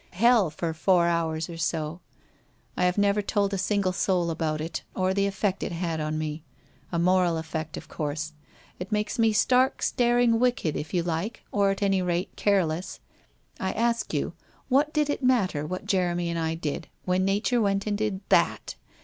Hell for four hours or so! I have never told a single soul about it, or the effect it had on me ! A moral effect, of course. It made me stark staring wicked, if you like, or at any rate careless. I ask you, what did it matter what Jeremy and I did, when Xature went and did that!